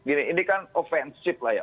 gini ini kan offensive lah ya